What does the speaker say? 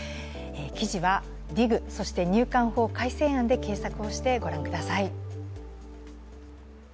記事はＤＩＧ 入管法改正案で検索をしてご覧ください。